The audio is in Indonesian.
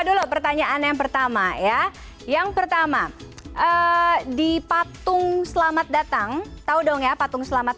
dulu pertanyaan yang pertama ya yang pertama di patung selamat datang tahu dong ya patung selamat